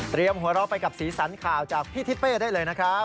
หัวเราะไปกับสีสันข่าวจากพี่ทิศเป้ได้เลยนะครับ